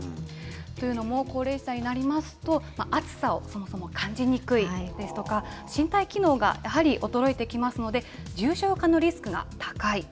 というのも高齢者になりますと、暑さをそもそも感じにくいですとか、身体機能がやはり衰えてきますので、重症化のリスクが高い。